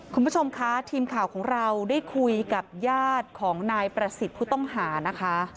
คุณผู้ชมคะทีมข่าวของเราได้คุยกับญาติของนายประสิทธิ์ผู้ต้องหานะคะ